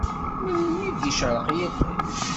Melmi d-icerreq yiṭij?